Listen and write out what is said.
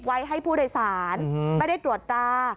ไว้ให้ผู้โดยสารไม่ได้ตรวจตรา